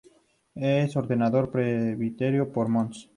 Es Ordenado presbítero por Mons.